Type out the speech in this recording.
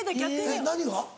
えっ何が？